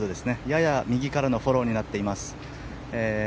やや右からのフォローになっています。